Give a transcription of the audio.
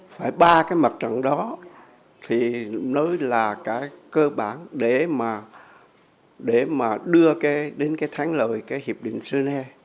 phải ba cái mặt trận đó thì nói là cái cơ bản để mà đưa đến cái thắng lợi cái hiệp định sơn e